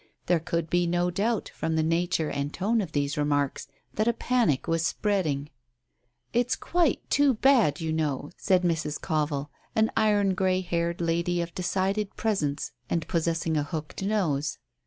There could be no doubt, from the nature and tone of these remarks, that a panic was spreading. "It's quite too bad, you know," said Mrs. Covill, an iron grey haired lady of decided presence and possessing a hooked nose.